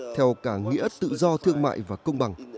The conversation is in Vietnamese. theo cả nghĩa tự do thương mại và công bằng